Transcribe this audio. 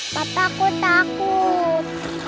pak takut takut